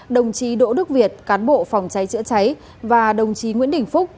đồng chí đỗ đức việt cán bộ phòng cháy chữa cháy và đồng chí nguyễn đình phúc